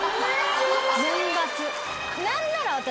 何なら私